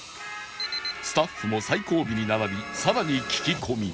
スタッフも最後尾に並びさらに聞き込み